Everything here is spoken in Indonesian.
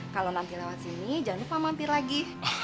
kalau nanti lewat sini jangan lupa mampir lagi